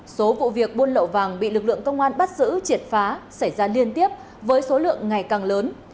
số vụ việc buôn lậu vàng bị lực lượng công an bắt giữ triệt phá xảy ra liên tiếp với số lượng ngày càng lớn